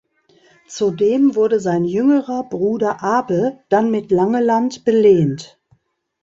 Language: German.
Zudem wurde sein jüngerer Bruder Abel dann mit Langeland belehnt.